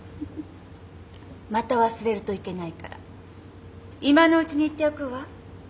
また忘れるといけないから今のうちに言っておくわ。